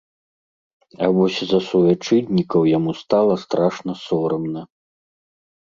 А вось за суайчыннікаў яму стала страшна сорамна.